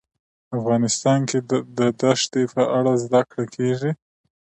افغانستان کې د دښتې په اړه زده کړه کېږي.